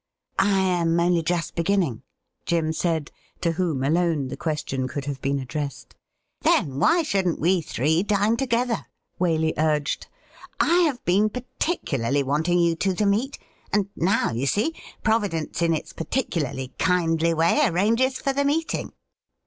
' I am only just beginning,' Jim said, to whom alone the question could have been addressed. ' Then, why shouldn't we three dine together ?' Waley urged. 'I have been particularly wanting you two to meet, and now, you see, Providence in its particularly kindly way arranges for the meeting.'